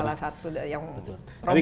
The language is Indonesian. salah satu yang terobosan itu adalah